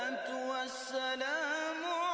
assalatu wassalamu alaikum